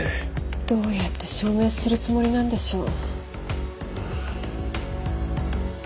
どうやって証明するつもりなんでしょう。